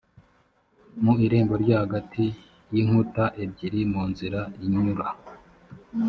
mu irembo ryo hagati y inkuta ebyiri mu nzira inyura